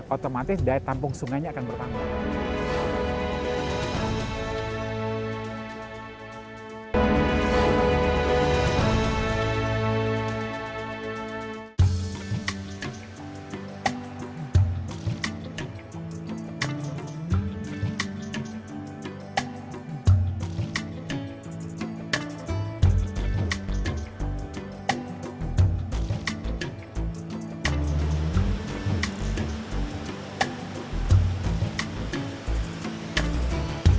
otomatis daya tampung sungainya akan bertambah